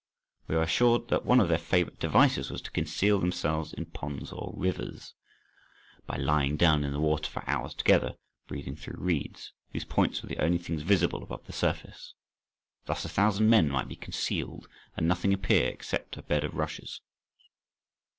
We are assured that one of their favourite devices was to conceal themselves in ponds or rivers by lying down in the water for hours together, breathing through reeds, whose points were the only things visible above the surface. Thus a thousand men might be concealed, and nothing appear except a bed of rushes.